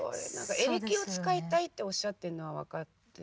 エレキを使いたいっておっしゃってるのは分かって。